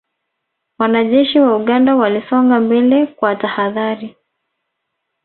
Wanajeshi wa Uganda walisonga mbele kwa tahadhari